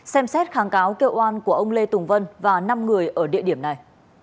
xem xét kháng cáo kêu oan của ông lê tùng vân và năm người ở địa điểm này